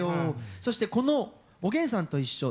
そしてこの「おげんさんといっしょ」